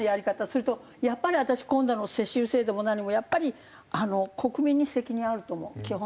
それとやっぱり私今度の世襲制度も何もやっぱり国民に責任あると思う基本的には。